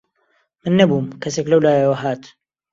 من نەبووم، کەسێک لەولایەوە هات